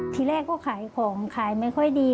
ทีแรกก็ขายของขายไม่ค่อยดี